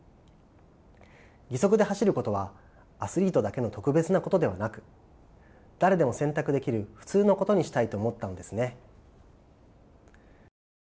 義足で走ることはアスリートだけの特別なことではなく誰でも選択できる普通のことにしたいと思ったのですね。